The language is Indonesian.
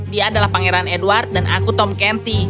dia adalah pangeran edward dan aku tom canty